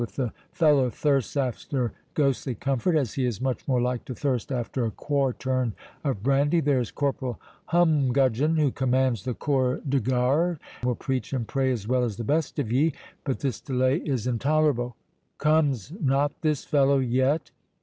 If the fellow thirsts after ghostly comfort, as he is much more like to thirst after a quartern of brandy, there is Corporal Humgudgeon, who commands the corps de garde, will preach and pray as well as the best of ye.—But this delay is intolerable—Comes not this fellow yet?"